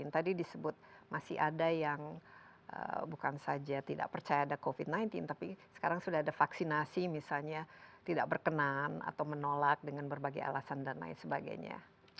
tadi disebut masih ada yang bukan saja tidak percaya ada covid sembilan belas tapi sekarang sudah ada vaksinasi misalnya tidak berkenan atau menolak dengan berbagai alasan dan lain sebagainya